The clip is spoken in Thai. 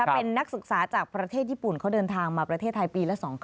เป็นนักศึกษาจากประเทศญี่ปุ่นเขาเดินทางมาประเทศไทยปีละ๒๐๐